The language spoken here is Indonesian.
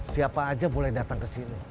siapa aja boleh datang ke sini